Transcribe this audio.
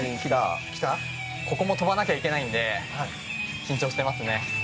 ここも跳ばなきゃいけないんで緊張してますね。